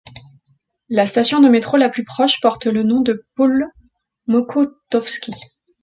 La station de métro la plus proche, porte le nom de Pole Mokotowskie.